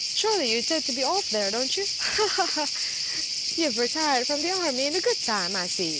Surely you intend to be off there, don't you? Ha, ha! You've retired from the army in good time, I see!